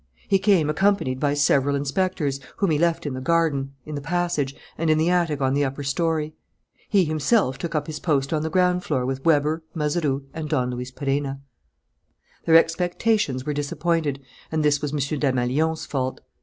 He came accompanied by several inspectors, whom he left in the garden, in the passage, and in the attic on the upper story. He himself took up his post on the ground floor with Weber, Mazeroux, and Don Luis Perenna. Their expectations were disappointed; and this was M. Desmalions's fault.